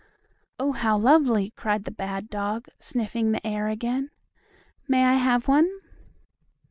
"Oh, how lovely!" cried the bad dog, sniffing the air again. "May I have one?"